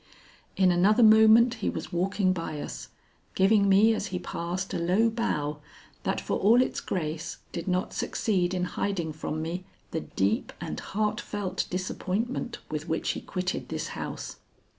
In another moment he was walking by us, giving me as he passed a low bow that for all its grace did not succeed in hiding from me the deep and heartfelt disappointment with which he quitted this house.